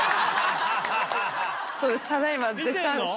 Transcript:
そうです。